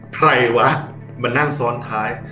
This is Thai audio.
ใครวะมานั่งซ้อนท้าย